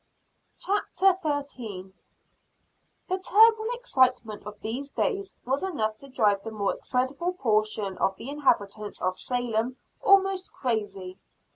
CHAPTER XIII. Dulcibel in Danger. The terrible excitement of these days was enough to drive the more excitable portion of the inhabitants of Salem almost crazy.